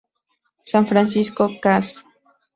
San Francisco, Cas.